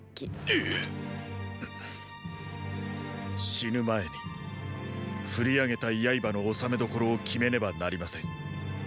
死ぬ前に振り上げた刃のおさめ所を決めねばなりません。